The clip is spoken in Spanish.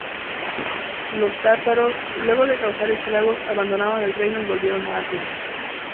Los tártaros, luego de causar estragos, abandonaron el reino y volvieron a Asia.